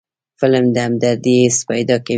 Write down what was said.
فلم د همدردۍ حس پیدا کوي